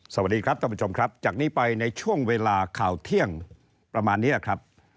สวัสดีครับท่านผู้ชมครับจากนี้ไปในช่วงเวลาข่าวเที่ยงประมาณนี้ครับ